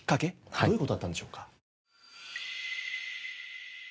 どういう事だったんでしょうか？